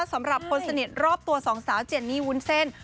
สำหรับคนสนิทรอบตัวสองสาวเจนนี่วุ้นเส้น